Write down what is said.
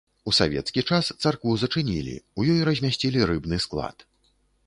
У савецкі час царкву зачынілі, у ёй размясцілі рыбны склад.